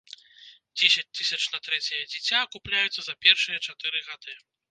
Дзесяць тысяч на трэцяе дзіця акупляюцца за першыя чатыры гады.